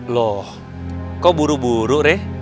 loh kok buru buru re